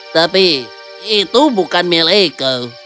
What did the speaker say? tapi itu bukan milik kau